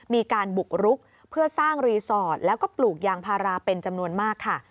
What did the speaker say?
มีการบุกรุกเพื่อสร้างรีสอร์ทแล้วก็ปลูกยางพาราเป็นจำนวนมากค่ะ